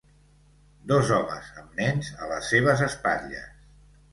Dos homes amb nens a les seves espatlles.